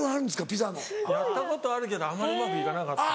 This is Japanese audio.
やったことあるけどあまりうまく行かなかった。